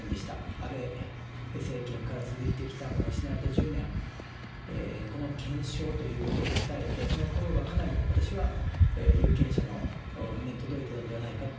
安倍政権から続いてきた失われた１０年、この検証ということを訴えてその声はかなり私は有権者の耳に届いたのではないかと。